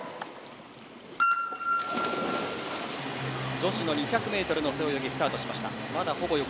女子の２００ｍの背泳ぎスタートしました。